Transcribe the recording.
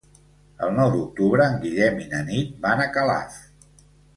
El nou d'octubre en Guillem i na Nit van a Calaf.